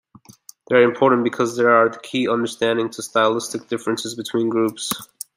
They are important because they are the key to understanding stylistic differences between groups.